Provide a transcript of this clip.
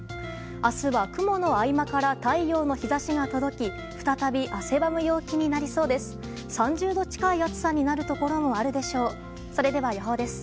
明日は、雲の合間から太陽の日差しが届き再び、汗ばむ陽気になりそうです。